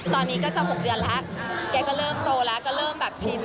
ตอนนี้ก็จะ๖เดือนแล้วแกก็เริ่มโตแล้วก็เริ่มแบบชิน